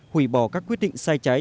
hủy bỏ các quyết định sai trái